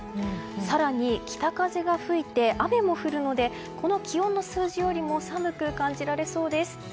更に、北風が吹いて雨も降るのでこの気温の数字よりも寒く感じられそうです。